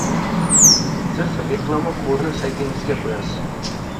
Siz reklama kodini saytingizga qo’yasiz